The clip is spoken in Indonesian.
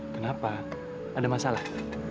kenapa ada masalah